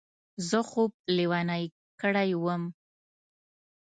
زه خوب لېونی کړی وم.